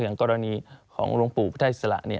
อย่างกรณีของรุงปู่พระอิสระ